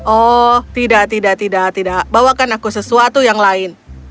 oh tidak tidak tidak bawakan aku sesuatu yang lain